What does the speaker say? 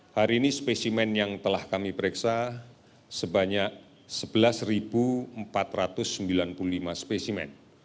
hari ini spesimen yang telah kami periksa sebanyak sebelas empat ratus sembilan puluh lima spesimen